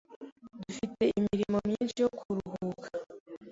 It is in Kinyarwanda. Dufite imirimo myinshi yo kuruhuka.